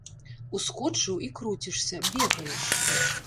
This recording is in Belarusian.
Ускочыў і круцішся, бегаеш.